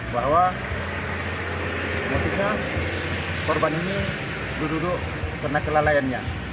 bahwa motifnya korban ini duduk duduk karena kelelayannya